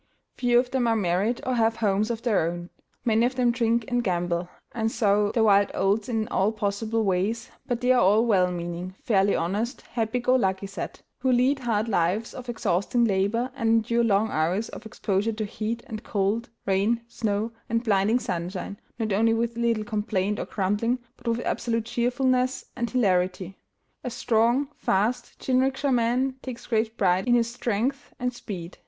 Few of them are married, or have homes of their own. Many of them drink and gamble, and sow their wild oats in all possible ways; but they are a well meaning, fairly honest, happy go lucky set, who lead hard lives of exhausting labor, and endure long hours of exposure to heat and cold, rain, snow, and blinding sunshine, not only with little complaint or grumbling, but with absolute cheerfulness and hilarity. A strong, fast jinrikisha man takes great pride in his strength and speed.